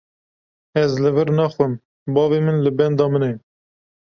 Ez li vir naxwim, bavê min li benda min e.